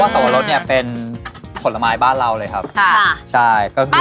แต่ละนั้นนี้อะใช่